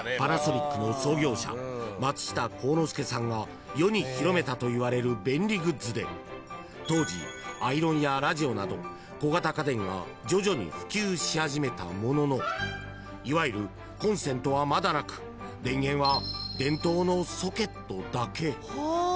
［が世に広めたといわれる便利グッズで当時アイロンやラジオなど小型家電が徐々に普及し始めたもののいわゆるコンセントはまだなく電源は電灯のソケットだけ］